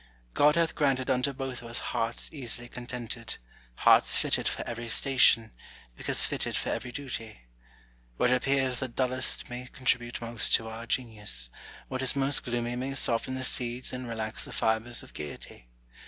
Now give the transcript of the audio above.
God hath granted unto both of us hearts easily contented, hearts fitted for every station, because fitted for every duty. ^Vhat appears the dullest may contribute most to our genius ; what is most gloomy may soften the seeds and relax the fibres of gaiety.